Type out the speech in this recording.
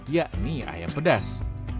yakni ayam pedas